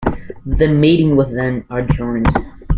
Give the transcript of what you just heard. The meeting was then adjourned.